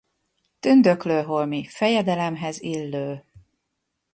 Tündöklő holmi, fejdelemhez illő!